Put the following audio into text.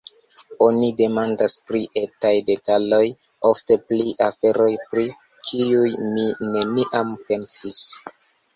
Oni demandas pri etaj detaloj, ofte pri aferoj, pri kiuj mi neniam pensis.